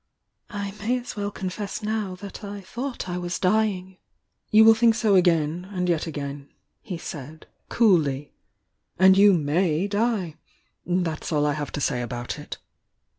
I may as well confess now that I thought I was dying." "You will think so again and yet again," he said, coolly. "And you maj/ die! That's all I have to say about it!"